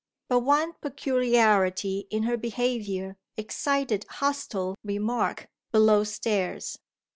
But one peculiarity in her behaviour excited hostile remark, below stairs.